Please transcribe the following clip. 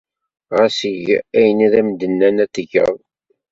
Ɣas eg ayen ay am-d-nnan ad t-tged.